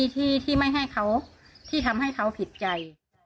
ที่ทำให้เขาผิดใจ